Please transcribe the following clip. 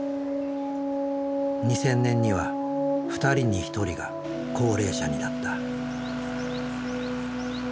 ２０００年には２人に１人が高齢者になった。